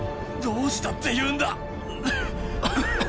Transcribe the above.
どうしたっていうんだ！